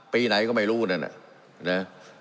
ปีไหนก็ไม่รู้นะ